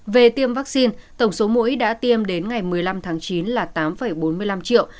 về tiêm vaccine tổng số mũi đã tiêm đến ngày một mươi năm tháng chín là tám bốn mươi năm triệu